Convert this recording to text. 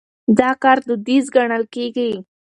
دا کار دوديز ګڼل کېږي.